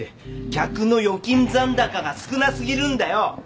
客の預金残高が少なすぎるんだよ！